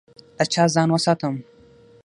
له چا ځان وساتم؟